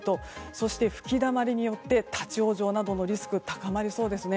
そして、吹きだまりによって立ち往生などのリスクが高まりそうですね。